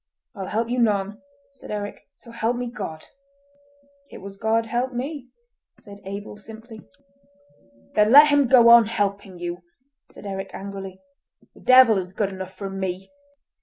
"I'll help you none," said Eric, "so help me God!" "It was God helped me," said Abel simply. "Then let Him go on helping you," said Eric angrily. "The Devil is good enough for me!"